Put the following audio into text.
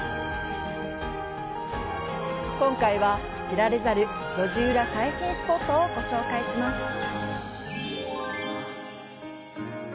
今回は、知られざる路地裏最新スポットをご紹介します！